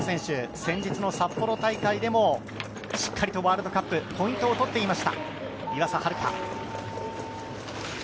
先日の札幌大会でもしっかりとワールドカップポイントをとっていました。